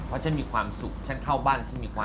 เพราะฉันมีความสุขฉันเข้าบ้านฉันดีกว่า